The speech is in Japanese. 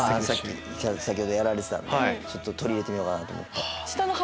さっき先ほどやられてたんでちょっと取り入れてみようかなと思って。